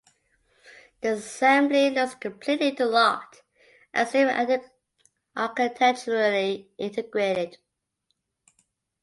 The assembly looks completely interlocked, as if architecturally integrated.